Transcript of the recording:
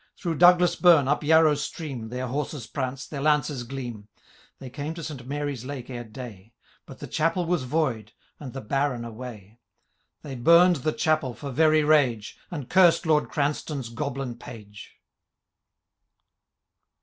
Through Douglas bum, up Yarrow stream,* ITieir horses prance, their lances gleam. They came to St. Mary's lake ere day ; But the chapel was void, and the Baron away. They bum'd the chapel for v^y rage. And cursed Lord Oranstoun^ Goblin Page.